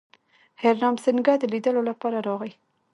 هرنام سینګه د لیدلو لپاره راغی.